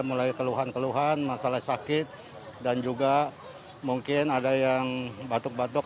mulai keluhan keluhan masalah sakit dan juga mungkin ada yang batuk batuk